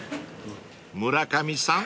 ［村上さん